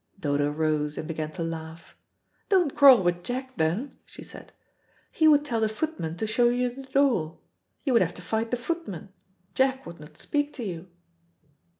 Dodo rose and began to laugh. "Don't quarrel with Jack, then," she said. "He would tell the footman to show you the door. You would have to fight the footman. Jack would not speak to you."